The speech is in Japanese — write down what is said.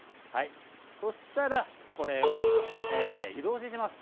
そしたらこれを湯通しします。